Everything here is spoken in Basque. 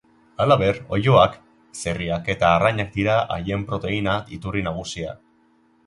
Halaber, oiloak, zerriak eta arrainak dira haien proteina-iturri nagusia.